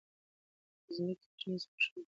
د ځمکې کوچنۍ سپوږمۍ د لمریز نظام پاتې شوني دي.